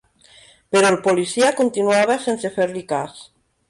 Però el policia continuava sense fer-li cas.